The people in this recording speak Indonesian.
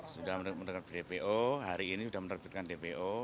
sudah mendapatkan dpo hari ini sudah menerbitkan dpo